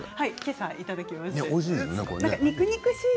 朝いただきました。